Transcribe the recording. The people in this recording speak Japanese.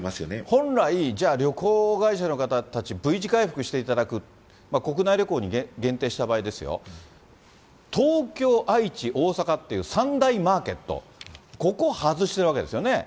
本来、じゃあ旅行会社の方たち、Ｖ字回復していただく、国内旅行に限定した場合ですよ、東京、愛知、大阪っていう３大マーケット、ここ外してるわけですよね。